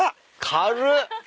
軽っ。